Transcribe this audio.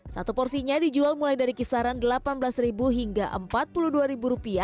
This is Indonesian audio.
satu porsinya dijual mulai dari kisaran rp delapan belas hingga rp empat puluh dua